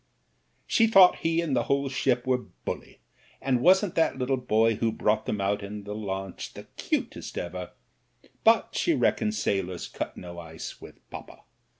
"She thought he and the whole ship were bully, and wasn't that little boy who'd brought them out in the launch the cutest ever, but she reckoned sailors cut no ice with poppa.